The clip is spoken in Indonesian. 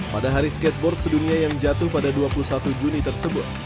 pada hari skateboard sedunia yang jatuh pada dua puluh satu juni tersebut